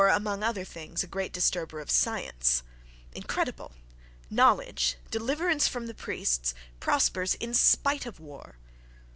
War—among other things, a great disturber of science!—Incredible! Knowledge, deliverance from the priests, prospers in spite of war.